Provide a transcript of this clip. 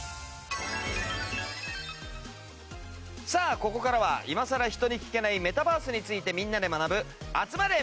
さあここからは今さら人に聞けないメタバースについてみんなで学ぶ集まれ！